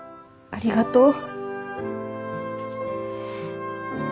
ありがとう。